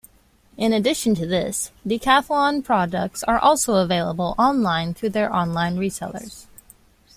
In addition to this, Decathlon products are also available online through their online resellers.